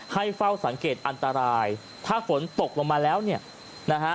ให้เฝ้าสังเกตอันตรายถ้าฝนตกลงมาแล้วเนี่ยนะฮะ